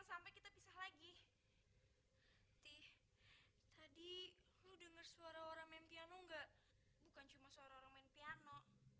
kami permisi balik ke perkembangan dulu pak jarwo